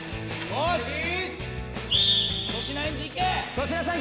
粗品さん